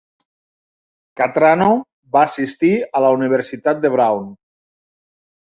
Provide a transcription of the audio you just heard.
Cattrano va assistir a la Universitat de Brown.